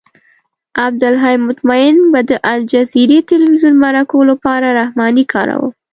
عبدالحی مطمئن به د الجزیرې تلویزیون مرکو لپاره رحماني کاراوه.